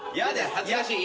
恥ずかしい？